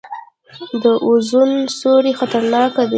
د اوزون سورۍ خطرناک دی